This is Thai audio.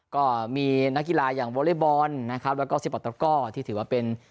ก็มีนักกีฬาอย่างนะครับแล้วก็ที่ถือว่าเป็น